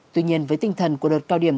tuy nhiên với tinh thần của đợt cao điểm